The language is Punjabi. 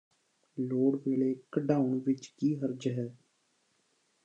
ਲੋੜ ਵੇਲੇ ਕੱਢਾਉਣ ਵਿਚ ਕੀ ਹਰਜ ਹੈ